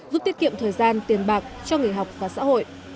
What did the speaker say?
giúp tiết kiệm thời gian tiền bạc cho nghề học và xã hội